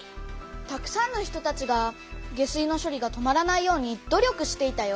たくさんの人たちが下水のしょりが止まらないように努力していたよ。